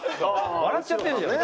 笑っちゃってるじゃん。